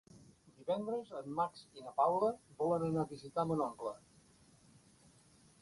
Divendres en Max i na Paula volen anar a visitar mon oncle.